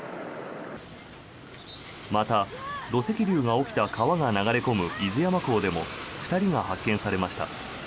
また、土石流が起きた川が流れ込む伊豆山港でも２人が発見されました。